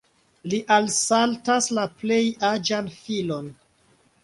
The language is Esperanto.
Li alsaltas la plej aĝan filon.